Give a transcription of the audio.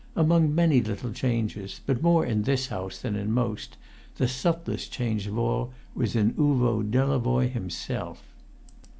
Among many little changes, but more in this house than in most, the subtlest change of all was in Uvo Delavoye himself.